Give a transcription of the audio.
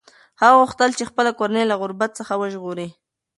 هغه غوښتل چې خپله کورنۍ له غربت څخه وژغوري.